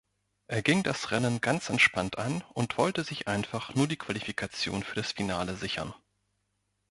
Er ging das Rennen ganz entspannt an und wollte sich einfach nur die Qualifikation für das Finale sichern.